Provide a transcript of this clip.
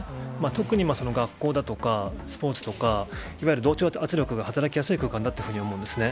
特に学校だとかスポーツとか、いわゆる同調圧力が働きやすい空間だっていうふうに思うんですね。